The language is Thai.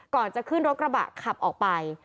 ก่อนจะขึ้นรถกระบะขับออกไป